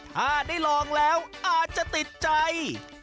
ถ้าได้ลองแล้วอาจจะติดใจ